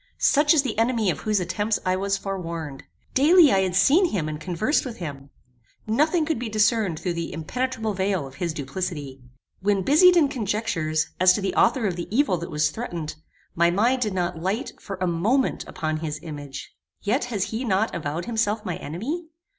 Such is the enemy of whose attempts I was forewarned. Daily I had seen him and conversed with him. Nothing could be discerned through the impenetrable veil of his duplicity. When busied in conjectures, as to the author of the evil that was threatened, my mind did not light, for a moment, upon his image. Yet has he not avowed himself my enemy?